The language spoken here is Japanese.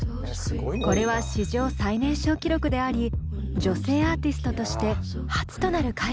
これは史上最年少記録であり女性アーティストとして初となる快挙でした。